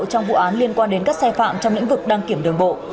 trong vụ án liên quan đến các sai phạm trong lĩnh vực đăng kiểm đường bộ